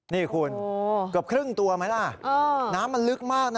นี่คุณเกือบครึ่งตัวไหมล่ะน้ำมันลึกมากนะ